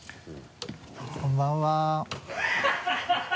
こんばんは。